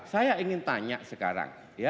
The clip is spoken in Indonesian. saya ingin tanya sekarang